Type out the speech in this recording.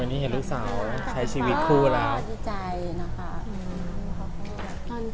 วันนี้เห็นลูกสาวใช้ชีวิตคู่แล้วดีใจนะคะ